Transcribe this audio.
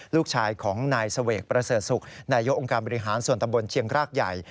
ลูกชายของนายเสวกประเสริฐศุกร์นายกองค์การบริหารส่วนตำบลเชียงรากใหญ่